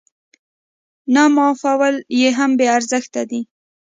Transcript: نه معافول يې هم بې ارزښته دي.